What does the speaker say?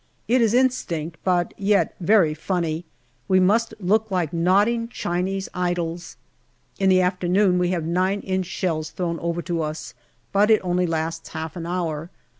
It is instinct, but yet very funny. We must look like nodding Chinese idols. In the afternoon we have 9 inch shells thrown over to us, but it only lasts half an hour.